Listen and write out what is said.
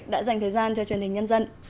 đã dành thời gian cho truyền hình nhân dân